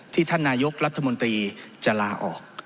ท่านนายกรัฐมนตรีจะลาออก